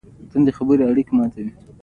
تور سوري قوي جاذبه لري.